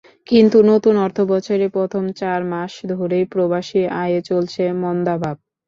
কিন্তু নতুন অর্থবছরের প্রথম চার মাস ধরেই প্রবাসী আয়ে চলছে মন্দাভাব।